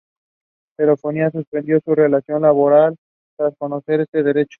Telefónica suspendió su relación laboral tras conocerse este hecho.